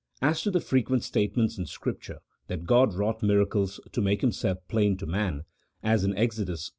As to the frequent statements in Scripture, that God wrought miracles to make Himself plain to man — as in Exodus x.